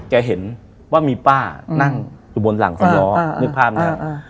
แกเห็นว่ามีป้านั่งอยู่บนหลังสำร้ออ่านึกภาพเนี้ยอ่า